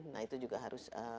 nah itu juga harus